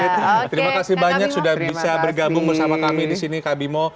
terima kasih banyak sudah bisa bergabung bersama kami di sini kak bimo